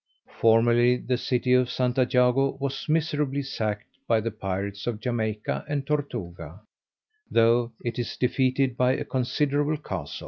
Formerly the city of Santa Jago was miserably sacked by the pirates of Jamaica and Tortuga, though it is defended by a considerable castle.